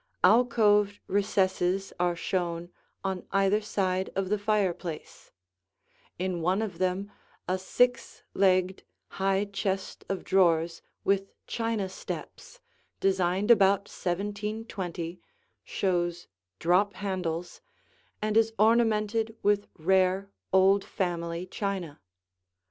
Alcoved recesses are shown on either side of the fireplace; in one of them a six legged, high chest of drawers with china steps, designed about 1720, shows drop handles, and is ornamented with rare old family china.